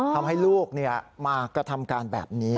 ทำให้ลูกมากระทำการแบบนี้